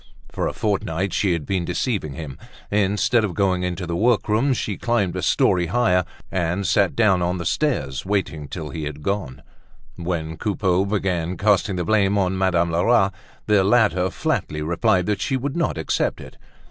For a fortnight she had been deceiving him; instead of going into the workroom, she climbed a story higher, and sat down on the stairs, waiting till he had gone off. When Coupeau began casting the blame on Madame Lerat, the latter flatly replied that she would not accept it.